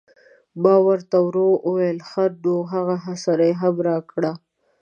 ما ور ته ورو وویل: ښه نو هغه سر یې هم راکړه.